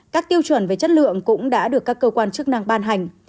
các tiêu chuẩn về chất lượng cũng đã được các cơ quan chức năng ban hành